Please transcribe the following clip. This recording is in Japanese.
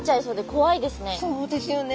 そうですよね。